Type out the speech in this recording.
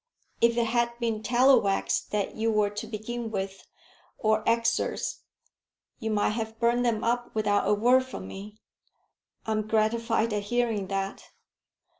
If it had been Tallowax that you were to begin with, or Exors, you might have burnt 'em up without a word from me." "I am gratified at hearing that."